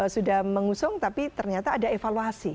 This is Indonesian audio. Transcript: sudah mengusung tapi ternyata ada evaluasi